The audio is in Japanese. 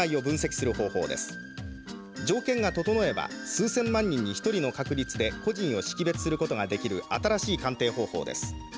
条件が整えば数千万人に一人の確率で個人を識別することができる新しい鑑定方法です。